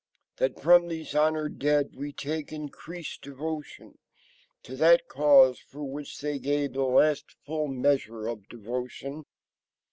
. .that from these honored dead we take increased devotion to that cause for which they gave the last full measure of devotion.